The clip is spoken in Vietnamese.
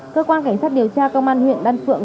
cơ quan cảnh sát điều tra công an huyện đan phượng